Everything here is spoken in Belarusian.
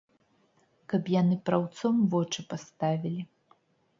Каб яны праўцом вочы паставілі.